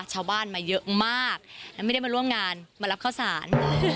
ชาวบ้านมาเยอะมากและไม่ได้มาร่วมงานมารับข้าวสาร